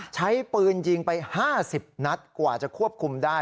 ใช้ปืนยิงไป๕๐นัดกว่าจะควบคุมได้